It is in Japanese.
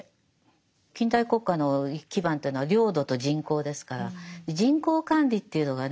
近代国家の基盤というのは領土と人口ですから人口管理っていうのがね